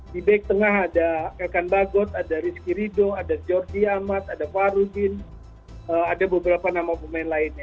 di back tengah ada elkan bagot ada rizky rido ada georgi amat ada farudin ada beberapa nama pemain lainnya